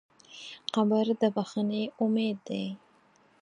قبر د بښنې امید دی.